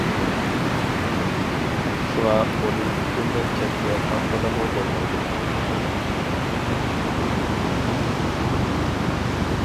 شۇڭا، ئۇنى پۈتۈنلەي چەتكە قاققىلىمۇ بولمايدۇ.